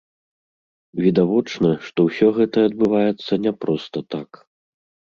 Відавочна, што ўсё гэта адбываецца не проста так.